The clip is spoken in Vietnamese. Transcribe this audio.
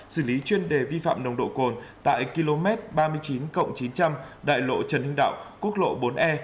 xử lý chuyên đề vi phạm nồng độ cồn tại km ba mươi chín chín trăm linh đại lộ trần hưng đạo quốc lộ bốn e